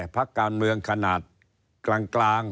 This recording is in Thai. พักการเมืองขนาดกลาง